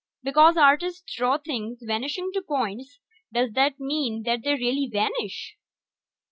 Because artists draw things vanishing to points, does that mean that they really vanish?"